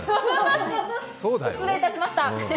失礼いたしました。